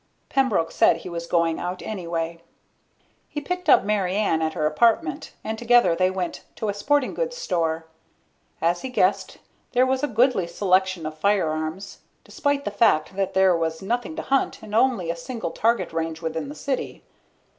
Pembroke said he was going out anyway. He picked up Mary Ann at her apartment and together they went to a sporting goods store. As he guessed there was a goodly selection of firearms, despite the fact that there was nothing to hunt and only a single target range within the city.